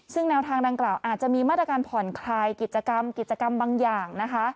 ซึ่งแนวทางดังกล่าวอาจจะมีมาตรการผ่อนคลายกิจกรรมกิจกรรมบางอย่างนะคะ